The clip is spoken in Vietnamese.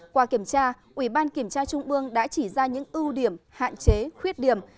qua kiểm tra ủy ban kiểm tra trung ương đã chỉ ra những ưu điểm hạn chế khuyết điểm